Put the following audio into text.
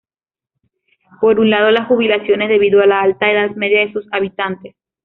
Por un lado las jubilaciones, debido a la alta edad media de sus habitantes.